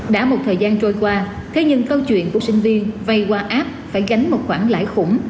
đã một thời gian trôi qua thế nhưng câu chuyện của sinh viên vay qua app phải gánh một khoản lãi khủng